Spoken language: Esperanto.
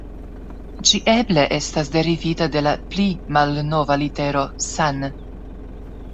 Ĝi eble estas derivita de la pli malnova litero san.